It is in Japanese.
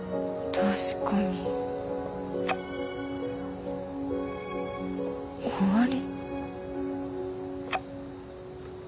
確かに終わり？